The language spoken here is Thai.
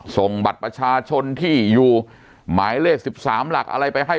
ส่งบัตรประชาชนที่อยู่หมายเลข๑๓หลักอะไรไปให้